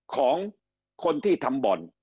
ของคนที่ทำบ่อน